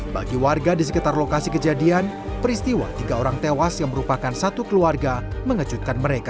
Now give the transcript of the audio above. bagi warga di sekitar lokasi kejadian peristiwa tiga orang tewas yang merupakan satu keluarga mengejutkan mereka